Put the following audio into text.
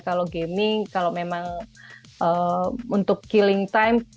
kalau gaming kalau memang untuk killing time